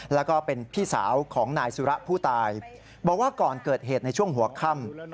แล้วก็เป็นพี่สาวของนายสุระผู้ตายบอกว่าก่อนเกิดเหตุในช่วงหัวค่ำ